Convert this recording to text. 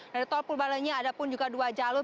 dari tol purbalenyi ada pun juga dua jalur